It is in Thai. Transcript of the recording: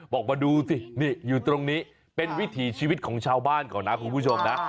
บอกมาดูสินี่อยู่ตรงนี้เป็นวิถีชีวิตของชาวบ้านเขานะคุณผู้ชมนะ